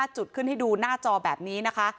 จุดขึ้นให้ดูหน้าจอแบบนี้นะคะ